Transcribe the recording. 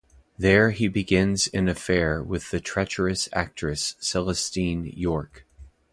There he begins an affair with the treacherous actress Celestine Yorke.